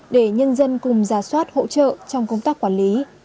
để nhân dân cùng giả soát hỗ trợ trong công tác quản lý